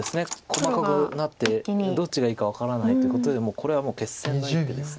細かくなってどっちがいいか分からないということでもうこれは決戦の一手です。